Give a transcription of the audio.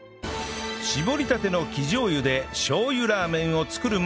搾りたての生醤油でしょう油ラーメンを作る前に